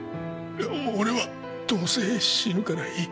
俺はどうせ死ぬからいい。